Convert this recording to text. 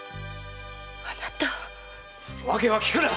あなた⁉訳は訊くな！